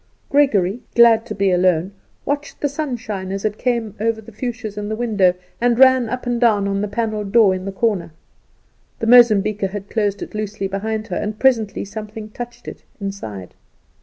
Gregory, glad to be alone, watched the sunshine as it came over the fuchsias in the window, and ran up and down on the panelled door in the corner. The Mozambiquer had closed it loosely behind her, and presently something touched it inside.